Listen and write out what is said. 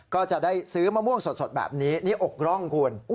ก็จะได้ซื้อมะม่วงสดแบบนี้นี่อกร่องคุณ